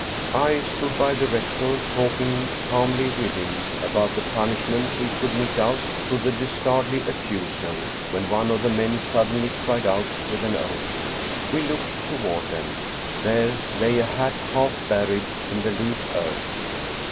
I stood by the rector talking calmly with him about the punishment we could mete out to the dastardly accuser, when one of the men suddenly cried out with an oath. We looked toward them ; there lay a hat half buried in the loose earth.